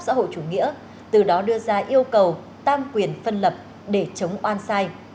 xã hội chủ nghĩa từ đó đưa ra yêu cầu tam quyền phân lập để chống oan sai